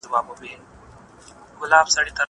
کېدای سي قلم خراب وي!!